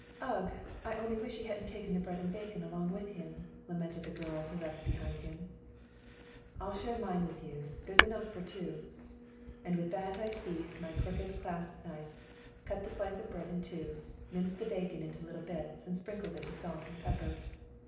"Ugh! I only wish he hadn't taken the bread and bacon along with him!" lamented the girl he left behind him. "I'll share mine with you; there's enough for two." And with that I seized my crooked clasp knife, cut the slice of bread in two, minced the bacon into little bits, and sprinkled it with salt and pepper.